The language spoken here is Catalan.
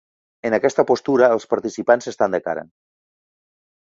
En aquesta postura, els participants estan de cara.